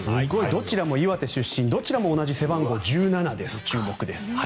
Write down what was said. どちらも岩手出身どちらも同じ背番号１７です。